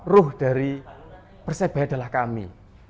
ruh dari persebaya adalah kami